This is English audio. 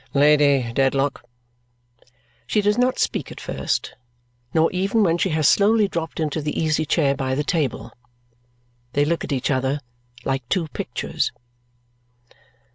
"Lady Dedlock?" She does not speak at first, nor even when she has slowly dropped into the easy chair by the table. They look at each other, like two pictures.